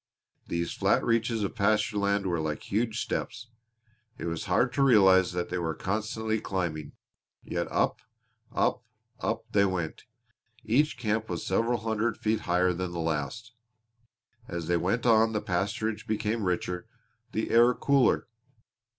These flat reaches of pasture land were like huge steps. It was hard to realize that they were constantly climbing. Yet up, up, up they went! Each camp was several hundred feet higher than the last. As they went on the pasturage became richer, the air cooler.